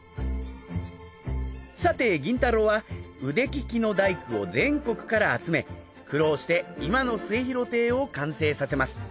さて銀太郎は腕利きの大工を全国から集め苦労して今の『末廣亭』を完成させます。